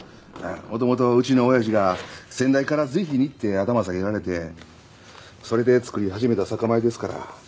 元々うちの親父が先代からぜひにって頭下げられてそれで作り始めた酒米ですから。